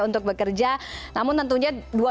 untuk bekerja namun tentunya